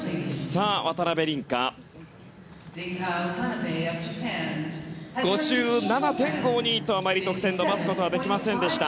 渡辺倫果、５７．５２とあまり得点伸ばすことはできませんでした。